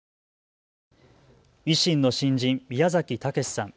維新の新人宮崎岳志さん。